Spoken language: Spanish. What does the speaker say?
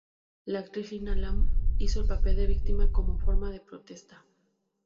La actriz Lina Alam hizo el papel de la víctima, como forma de protesta.